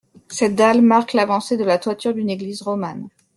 Cette dalle marque l'avancée de la toiture d'une église romane.